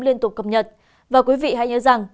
liên tục cập nhật và quý vị hãy nhớ rằng